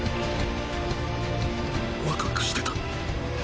ワクワクしてた。